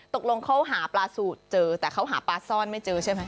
ตกลงเขาหาปลาสูตรเจอแต่เขาหาปลาซ่อนไม่เจอใช่ไหม